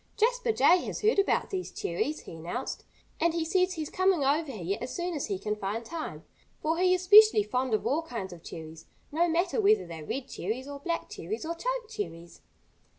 "Jasper Jay has heard about these cherries," he announced. "And he says he's coming over here as soon as he can find time, for he is specially fond of all kinds of cherries, no matter whether they're red cherries or black cherries or choke cherries."